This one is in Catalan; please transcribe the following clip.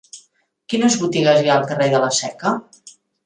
Quines botigues hi ha al carrer de la Seca?